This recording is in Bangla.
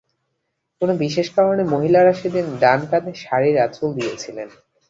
কোনো বিশেষ কারণে মহিলারা সেদিন ডান কাঁধে শাড়ির আঁচল দিয়েছিলেন।